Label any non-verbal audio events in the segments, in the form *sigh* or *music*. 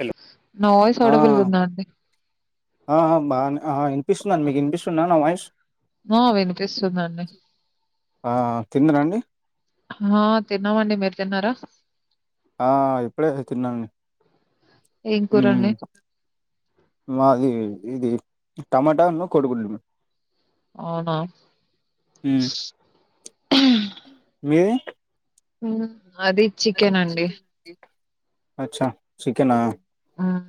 Hello నా voice ఆ ఓడబుల్గాందా అండి ఆ బాగా ఆ వినిపిస్తుది అండి మీకు వినిపిస్తుందా నా వాయిస్ ఆ వినిపిస్తుందండి ఆ తిన్నారండి ఆ తిన్నామండి మీరు తిన్నారా ఆ ఇప్పుడే తిన్నాము ఏం కూరండి? మాది ఇది టమాటా కోడి గుడ్లు అవునా మ్మ్ మీది అది చికెన్ అండి అచ్చా చికెనా హ్మ్.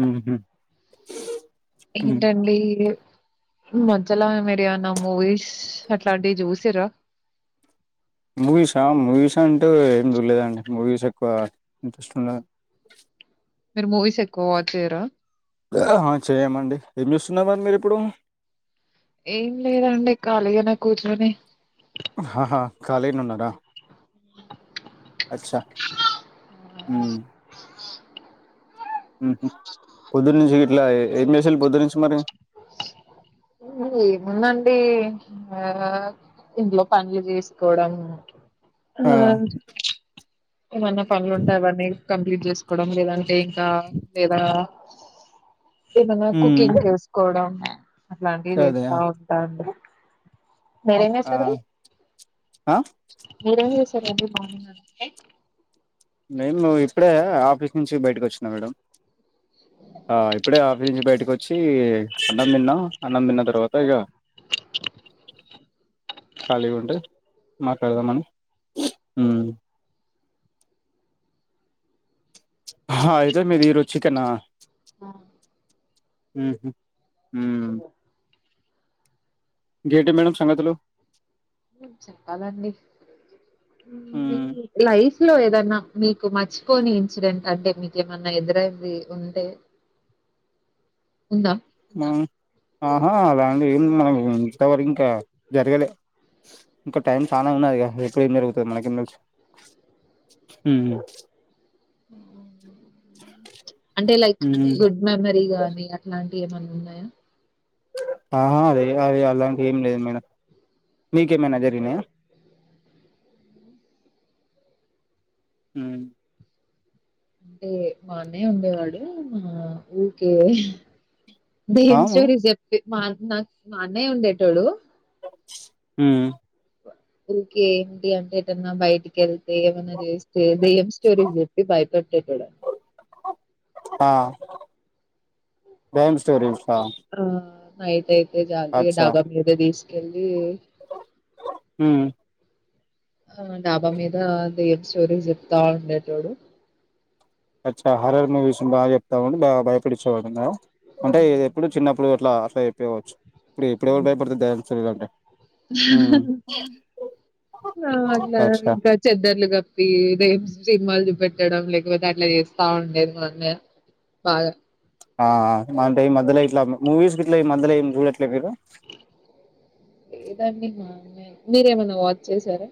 ఉహు ఏంటండి మధ్యలో మీరు ఏం అన మూవీస్ అట్లాంటివి చూసార మూవీసా మూవీస్ అంటే ఏం చూర్లేదండి మూవీస్ ఎక్కువ ఇంట్రెస్ట్ ఉండదు మీరు మూవీస్ ఎక్కువ వాచ్చారు చేయమండి ఏం చూస్తున్నరూ మరి మీరు ఇప్పుడు ఏం లేదండి కాళీగానే కూర్చొని హాహా కలిగనే ఉన్నరా అచ్చా ఉ ఉహు పొద్దున్ నుంచి గిట్లా ఏమ్ చేసిళ్ళు పొద్దున్ నుంచి మరి కు ఏముంది అండి ఆ ఇంట్లో పనులు చేసుకోవడం ఆ ఏమన్నా పనులు ఉంటే అవన్నీ కంప్లీట్ చేసుకోవడం లేదంటే ఇంకా లేదా ఏమన్నా మ్మ్ కుకింగ్ చేసుకోవడం అట్లాంటి అదే ఆ వేస్తా ఉంటాన్ మీరేం ఆ! చేస్తారు ఆ మీరే చేసు ఎర్లీ మార్నింగ్ అత్తే మేము ఇప్పుడే ఆఫీస్ నుంచి బయటకు వచ్చినా మేడం ఆ ఇప్పుడే ఆఫీస్ నుంచి బయటకు వచ్చి అన్నం తిన్న అన్నం తిన్న తర్వాత ఇక ఖాళీ ఉంటే మాట్లాడదామని ఆ అయితే మిది ఈరోజు చికెన్ ఆ ఆ ఉహు ఉ గేటి మేడమ్ సంగతులు చెప్పాలండి మీ ఉమ్ లైఫ్ సులో ఏదన్నా మీకు మర్చిపోని ఇన్సిడెంట్ అంటే మీకేమన్నా ఎదురు అయ్యింది ఉంటే ఉందా మా ఆహా అలాంటి ఏమి మనకు ఇంతవరకు ఇంకా జరగలే ఇంకా టైం చానా ఉన్నది ఎప్పుడు ఏం జరుగుతది మనకేం తెలుసు ఉ అంటే లైక్ ఉమ్ గుడ్ మెమరీ గాని అట్లాంటి ఏమన్నా ఉన్నాయా ఆ అరే అరే అలాంటి ఏం లేదు మేడం మీకు ఏమన్నా జరిగినయా ఉ అంటే బానే ఉండేవాడు మా ఊరికే దయ్యం అవును స్టోరీస్ చెప్పి మా నాకు మా అన్నయ్య ఉండేటోడు ఉ ఊకే ఏంటి అంటే ఏటన్నా బయటికి వెళ్తే ఏమన్నా చేస్తే దేమ్ స్టోరీస్ చెప్పి భయపెట్టెటోడ ఆ దయ్యం స్టోరీస్ ఆ నైట్ అయితే చాలు ఇగ అచ్చా డాబా మీదికి తీసుకెళ్లు ఏ హ్మ్. ఆ డాబా మీద దయ్యం స్టోరీస్ చెప్తా ఉండేటోడు అచ్చ హర్రర్ మూవీస్ బాగా చెప్తావు అని బాగా భ భయపట్టించే వాడు అన్న అంటే ఎప్పుడు చిన్నప్పుడు అట్లా అట్లా చెప్పేయవచ్చు ఇప్పుడు ఇప్పుడు ఎవరు భయపడుతారు దయ్యం వచ్చినాయి అంటే ఉ నా అట్లా ఇంకా చెద్దర్లు కప్పి దయ్యం సినిమాలు చూపెట్ పెట్టడం లేకపోతే అట్లా చేస్తా ఉండేది మా అన్నయ్య బాగా ఆ అంటే ఈ మధ్యలో ఇట్లా మూవీస్ గీట్ల ఈ మధ్యలో ఏం చూడట్లేదు మీరు లేదండీ మా అన్నయ్య మీరు ఏమన్నా వాచ్ చేసారా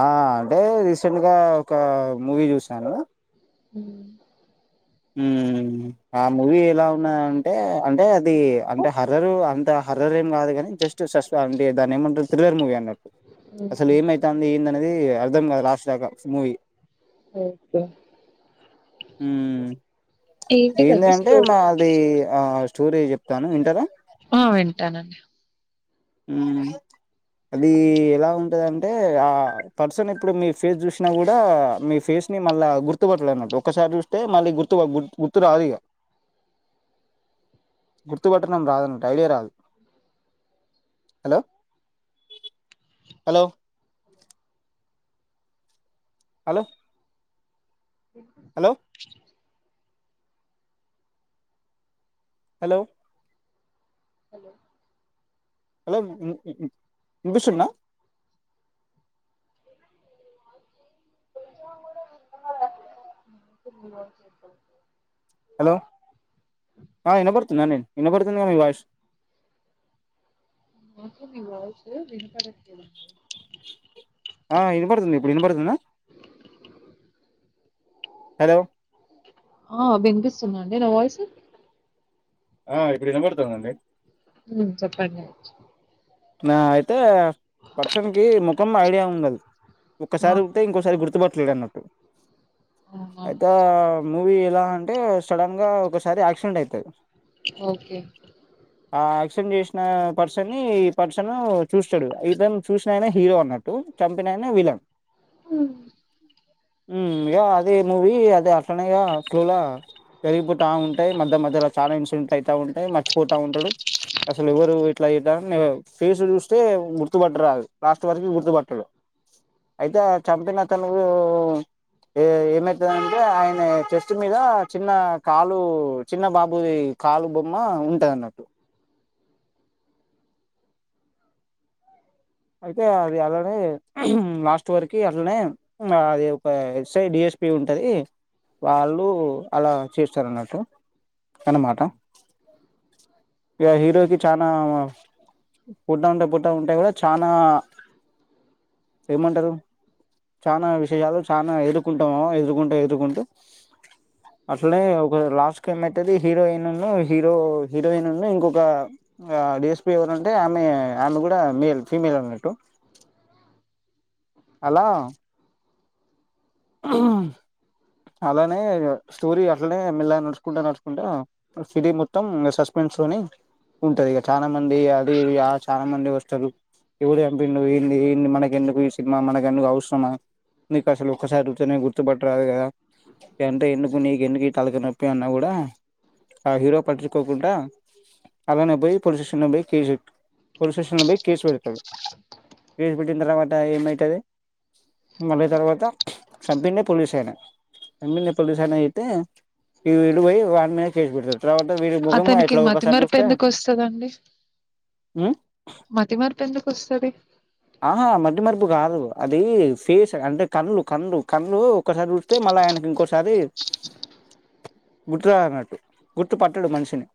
ఆ అదే రీసెంట్గా ఒక మూవీ చూసాను ఉ ఉ ఆ మూవీ ఎలా ఉన్నది అంటే అంటే అది అంటే హర్రర్ అం అంతా హర్రర్ ఏం కాదు కాని జస్ట్ షాస్ వాన్ దాని ఏమంటారు థ్రిల్లర్ మూవీ అన్నట్టు అసలు ఓకే ఏమైతాంది ఏంది అన్ అది అర్థం కాలే లాస్ట్ దాకా సు మూవీ అవిఘ్న ఉ ఏంది ఏంటిదండి అంటే స్టోరీ మా అది ఆష్ స్టోరీ చెప్తాను వింటారా ఆ వింటానండి హ్మ్ అది ఎలా ఉంటదింటే ఆ పర్సన్ ఇప్పుడు మీ ఫేస్ చూసినా కూడా మీ ఫేస్. మళ్ళా గుర్తుపట్టలే అన్నట్టు. ఒకసారి చూస్తే మళ్ళీ గుర్తు గుర్తు రాదు ఇగ. గుర్తుపట్టడం రాదు ఐడియా రాదు. Hello, hello. Hello hello hello hello hello, భూషణ. *unintelligible* హలో, ఆ వినబడుతుందా అండి నేను వినబడుతు. *unintelligible* మాకు మీ వాయిస్ వినపడట్లేదండి. ఆ విన పడుతుంది ఇప్పుడు విన పడుతుందా. ఆ వినిపిస్తుందా అండీ నా వాయిస్. ఆ ఇప్పుడు వినబడుతుందండి హ్మ్ చెప్పండి. నా అయితే. పర్సన్ కి ముఖం ఐడియా ఉండదు, ఆ ఒక్కసారి చూస్తే ఇంకోసారి గుర్తుపడు. న్నట్టు, అవునా అయితే మూవీ ఎలా. అంటే సడన్ గా ఒకసారి యాక్సిడెంట్ అయితది. ఓకే. ఆ యాక్సిడెంట్ చేసిన పర్సన్ ఈ పర్సన్ చూస్తాడు ఇతను చూసిన ఆయన హీరో అ. వు చంపినాయన విలన్. హు అదే మూవీ అదే అట్లనే ఇ గా క్లూలా. పెరిగిపోతా ఉంటాయి. మధ్య మధ్యలో చాలా ఇన్సిడెంట్ అయితా ఉంటాయి. మర్చిపోతా ఉంటాడు. అసలు ఎవరు. అట్లా యి దాన్నే ఫేస్ చూస్తే గుర్తుపట్ట రాదు లాస్ట్ వరకు గుర్తుపట్టడు. అయితే చంపిన అతను ఉం ఉం. ఏ ఏమైతుందంటే ఆయన చెస్ట్ మీద చిన్న కాలు చిన్న బాబుది. కాలు బొమ్మ ఉంటది అన్నట్టు. అయితే అది అలానే లాస్ట్ వరకు అట్లనే, ఉన్నది. ఎస్ఐ డిఎస్పి ఉంటది, వాళ్ళు అలా చేస్తారు అన్నట్టు. తనమాట. ఇగ హీరోకి చానా. పుట్టా ఉంటే పుట్ట ఉంటే కూడా చానా. ఏమంటారు చాలా విషయాలు. చాలా ఎదుర్కొంటాము ఎదుర్కొంటూ ఎదుర్కొంటూ. అట్లనే ఒక లాస్ట్ ఏమైతది హీరోయిన్ ఉను హీరో హీరోయిన్ ఉను. ఇంకొక, డిఎస్పి ఎవరంటే ఆమె ఆమె కూడా మేల్ ఫీమేల్ అన్నట్టు. *unintelligible* అలా ఆహా అలానే స్టోరీ అట్లనే మిల్ల గా నడుచుకుంటా నడుచుకుంటా, సి టీ మొత్తం సస్పెన్స్. ని ఉంటది ఇక చాలా మంది అది చాలా మంది వస్తురు. ఎవడు చంపిండు ఏంది ఏంది మనకు ఎందుకు ఈ సినిమా మనకు ఎందుకు అవసరమా, నీకు అసలు. ఒకసారి సూత్తనే గుర్తుపట్టరాదు కదా, ఇదంతా ఎందుకు నీకు ఎందుకు తలకాయ నొప్పి అన్నా కూడా. ఆ హీరో పట్టించుకోకుండా. అలానా పోయి పోలీస్ స్టేషన్ లో పోయి కేసు, పోలీస్ స్టేషన్ లో పోయి కేసు పెడతాడు. కేసు పెట్టిన తర్వాత ఏమైతది, మళ్లీ తర్వాత. చంపిందే పోలీస్ ఆయన, చంపిందే పోలీస్ ఆయన అయితే. తే ఇడు పోయి వాడి మీద కేసు వెడ్తాడు అతనికి మతి మరుపు ఎందుకు ఒస్తదండి ఉమ్ మతిమర్పు ఎందుకు ఒస్తది ఆహా మతిమర్పు గాదు అది ఫేస్ అంటే కళ్ కళ్ళు కళ్ళు ఒకసారి చూస్తే మళ్ళ ఐనకు ఇంకోసారి గుర్తు రాదన్నట్టు గుర్తు పట్టడు మన్షిని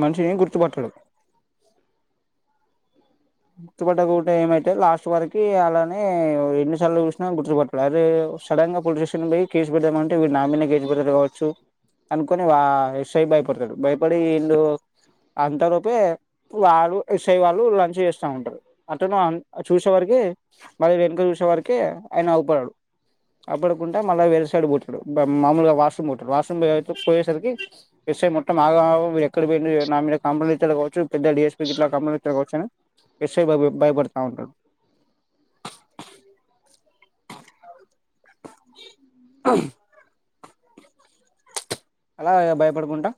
మన్షిని గుర్తుపట్టడు గుర్తుపట్టకుంటే ఏమైతే లాస్ట్ వరకి అలానే ఎన్నిసార్లు చూశ్నా గుర్తు పట్టడు అరే సడన్గా పోలీస్ స్టేన్ పోయ్ కేసు పెడ్మంటే వీడు నా మీనే కేసు పెడ్తాడు కావచ్చు అనుకొని వా ఎస్సై భయపడ్తాడు భయపడి ఈల్లు అంత లొపే వాళ్ళు ఎస్ఐ వాళ్ళు లంచ్ చేస్ టంటారు అటు చూసేవార్కి మరి వెనుక చూశేవారకి ఐన ఔపడడు అప్పుడుకుంటే మల్ల వేరే సైడ్ పోతడు మామూలుగా వాష్ రూమ్ పోత వాష్ రూమ్ పోయేసర్కి సేమ్ మొత్తం ఆగమాగం ఎక్కడ పోయింది నా మీద కంప్లైంట్ ఇత్తడు గావోచ్చు పెద్ద డి. ఎస్. ప్కి కంప్లైంట్ త్తడు కావోచ్చు అని ఎస్సే బబ్ భయపడ్తా ఉంటడ్ *inaudible* అలా భయపడుకుంటా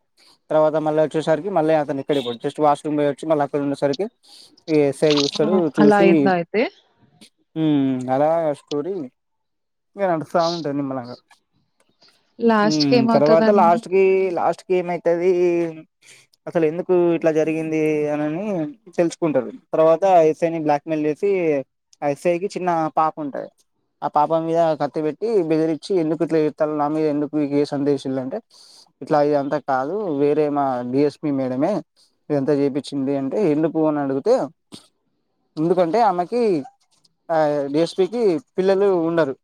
తర్వాత మల్ల ఒచ్చేసరికి మల్ల అతని క్కడ పోడు జస్ట్ వాష్ రూమ్ పయోచి మళ్ల అక్కడ సరికి ఈ ఎసై చూస్తడు ఆ అలా చూసీ అయిందా అయితే ఊమ్ అలా గా స్టోరీ ఇంగ నడుస్తా ఉంటది నిమ్మలంగా లాస్ట్ కి ఉమ్ తర్వాత ఏమవుతదండి లాస్ట్ కీ లాస్ట్ ఏమైతదీ అసలెందుకు ఇట్ల జరిగింది అనని తెల్సుకుంటాది తర్వాత ఎస్ఐ ని బ్లాక్ మెయిల్ చేసీ అ ఎస్ఐ కి చిన్నా పాప ఉంటది ఆ పాపం మీద కత్తి బెట్టి బెదిరిచ్చి ఎందుకు ఇట్లా చేత్తారు నా మీద ఎందుక్ మీకు ఏ సందేశిల్లంటే ఇట్లా ఇదింతా కాదు వేరే మా డిఎస్పి మేడమే దంత చేపీచింది అంటే ఎందుకు అని అడుగుతే ఎందుకంటే ఆమేకి ఆ డిఎస్పికి పిల్లలు ఉండరు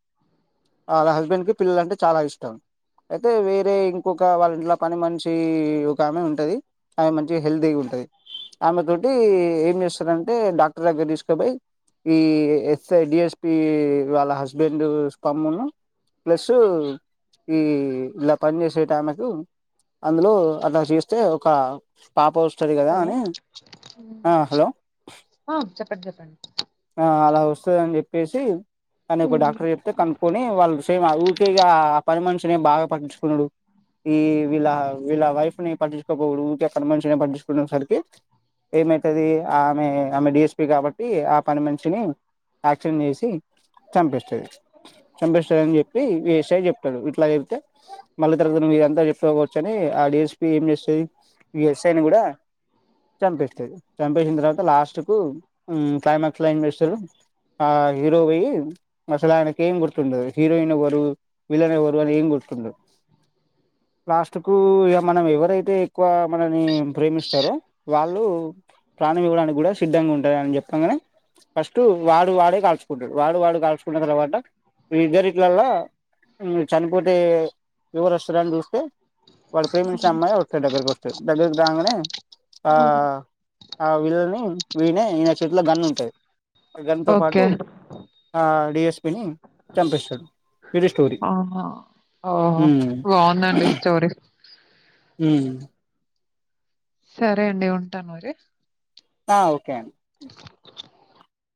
ఆళ్ళ హస్బెండ్ కి పిల్లలంటే చాలా ఇష్టం ఐతే వేరే ఇంకొక వాళ్ళ ఇంట్ల పని మన్షీ ఒకామె ఉంటది ఆమె మంచిగ హెల్తీ ఉంటది ఆమె తోటీ ఏం చేస్తడంటే డాక్టర్ దగ్గరిస్కో బొయ్ ఈ ఎస్ఐ డిఎస్పీ వాళ్ళ హస్బెండ్ స్పమ్మున్ను ప్లసు ఈ ఇలా పని జేసేటమెకు అందులో అలా జేస్తే ఒక పాపౌస్ హలో హలో అ చెప్పండి చెప్పండి వత్తదని జేప్పేసి అని ఒక డాక్టర్ జెప్తే కనుక్కొని వాళ్ళుమ్ ఊకేగా మన్షినే బాగా పట్టిచుకునుడు ఈ వీళ్ళ వీళ్ళ వైఫ్ ని పట్టించుకోపోడు ఊకె పని మన్షినే పట్టిచుకునే సరికి ఏమైతదీ ఆమె ఆమె డిఎస్పి గాబట్టి ఆ పని మనిషిని యాక్షన్ జేసి చంపేస్తది చంపిస్తదని జెప్పి వి ఎస్సే చెప్ తడు ఇట్ల జెప్తే మళ్ళ తర్వత నువిదంతా చెప్తవ్కోవచ్చు అని ఆ డఎస్పి ఏం చేస్తది ఇ ఎస్సేని గుడా చంపేస్తది చంపేసిన్ తర్వాత లాస్ట్ కు ఉమ్ క్లైమాక్స్ల జేస్తరు ఆ హీరో పోయి అసలైనకేేమ్ గుర్తుండదు హీరోయిన రు విలనెవర్ అని ఏం గుర్తుండదు లాస్ట్ కు ఇగ మనం ఎవరైతే ఎక్కువ మనని ప్రేమిస్తరో వాళ్ ఉ ప్రాణం ఇవ్వడానికి గుడా సిద్ధంగా ఉంటారని చెప్పాంగనే ఫస్టూ వాడు వాడే కాల్చుకుంటడు వాడు వాడు కాల్చుకున్న తర్వాత మీ ఇద్దరీట్లలా మ్ చనిపోతే ఎవరోస్తారని చూస్తే వాడ్ ప్రేమించిన అమ్మాయి ఒక దగ్గరకొస్తది దగ్గర్కి రాంగనే ఆ ఉమ్. అ వీలను వీనే ఈన చేత్ల గన్నుంటది గన్తో పాటు ఓకే ఆ డిఎస్పిని చంపిస్తడు ఆహ ఓహో ఉమ్ బాగుందండి స్టోరీ ఉమ్ సరే అండి ఉంటాను మరి ఆ ఓకే అండి